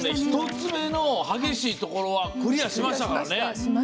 １つ目の激しいところはクリアしましたからね。